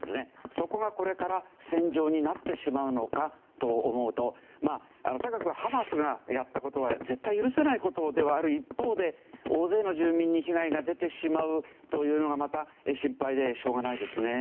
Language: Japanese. そこがこれから戦場になってしまうのかと思うととにかくハマスがやったことは絶対許せないことではある一方で大勢の住民に被害が出てしまうというのがまた、心配でしょうがないですね。